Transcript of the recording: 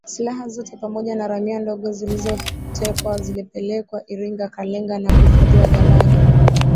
Silaha zote pamoja na ramia ndogo zilizotekwa zilipelekwa Iringa Kalenga na kuhifadhiwa ghalani